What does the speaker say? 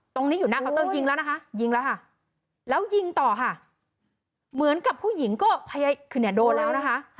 ตรงนี้อยู่หน้าเคาน์เตอร์ยิงแล้วนะคะแล้วยิงต่อค่ะเหมือนกับผู้หญิงก็โดนแล้วนะคะ